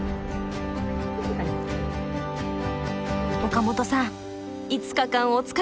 岡本さん５日間お疲れさま！